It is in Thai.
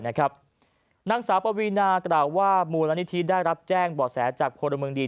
นางสาวปวีนากล่าวว่ามูลนิธิได้รับแจ้งบ่อแสจากพลเมืองดี